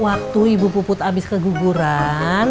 waktu ibu puput abis keguguran